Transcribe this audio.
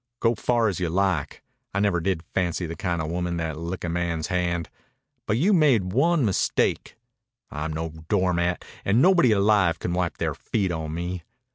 Go far as you like. I never did fancy the kind o' women that lick a man's hand. But you made one mistake. I'm no doormat, an' nobody alive can wipe their feet on me.